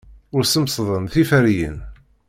Ur smesden tiferyin.